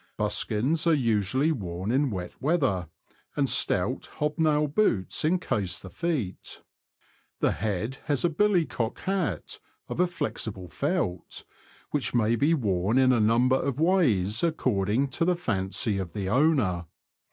Buskins are usually worn in wet weather, and stout hobnail boots encase the feet. The head has a billy cock hat, of a flexible felt, which may be worn in a number of ways, according to the fancy of the owner.